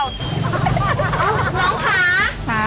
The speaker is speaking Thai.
น้องขา